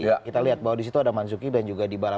kita lihat bahwa di situ ada manzuki dan juga dybala